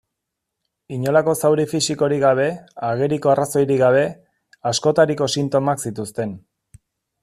Inolako zauri fisikorik gabe, ageriko arrazoirik gabe, askotariko sintomak zituzten.